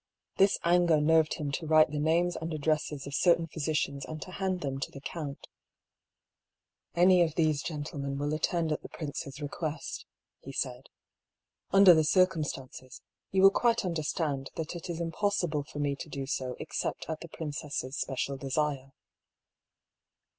This anger nerved him to write the names and addresses of certain physicians and to hand them to the count. " Any of these gentlemen will attend at the prince's request," he said. " Under the circumstances, you will quite understand that it is impossible for me to do so except at the princess' special desire."